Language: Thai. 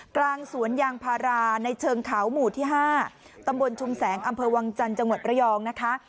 กลางสวนยางพาราในเชิงเขาหมู่ที่๕ตำบลชุมแสงอำเภอวังจันทร์จังหวัดระยองนะคะ